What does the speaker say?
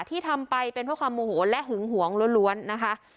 ที่ทำไปเป็นเพราะความโมโหและหึงหวงล้วนนะคะ